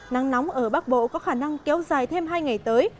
nắng nóng ở bắc bộ có khả năng kéo dài thêm hai ngày tới